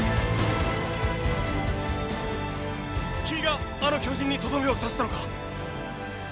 君があの巨人にとどめを刺したのか